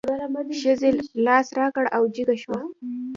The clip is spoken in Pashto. ښځې لاس را کړ او جګه شوه.